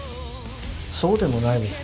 そうでもないですよ。